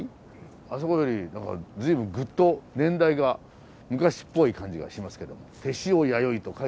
あそこより何か随分ぐっと年代が昔っぽい感じがしますけども「天塩弥生」と書いてありますね